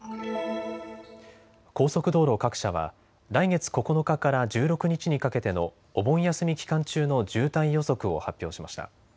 高速道路各社は来月９日から１６日にかけてのお盆休み期間中の渋滞予測を発表しました。